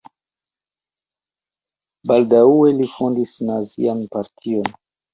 Baldaŭe li fondis nazian partion.